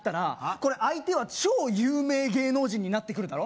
これ相手は超有名芸能人になってくるだろ